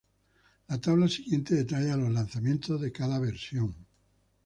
La tabla siguiente detalla los lanzamientos de cada versión.